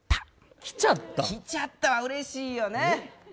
来ちゃったは、うれしいよね！